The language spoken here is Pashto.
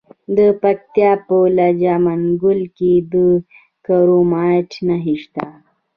د پکتیا په لجه منګل کې د کرومایټ نښې شته.